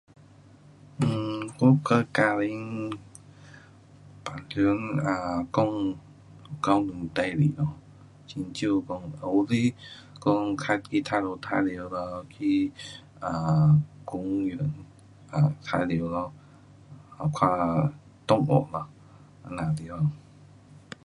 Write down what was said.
我叫 kahwin, 平常 um 讲，讲事情咯，很少讲，有时讲较去哪里较好玩耍咯，去公园玩耍咯，看动物咯，这那地方。